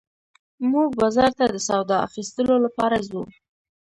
موږ بازار ته د سودا اخيستلو لپاره ځو